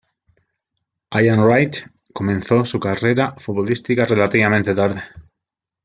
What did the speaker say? Ian Wright comenzó su carrera futbolística relativamente tarde.